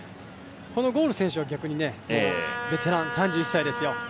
ゴール選手は逆にベテラン、３１歳ですよ。